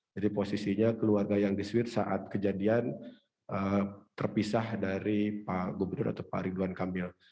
jadi posisinya keluarga yang di swiss saat kejadian terpisah dari pak gubernur atau pak ridwan kamil